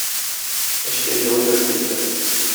Эчкә җылы кереп китте.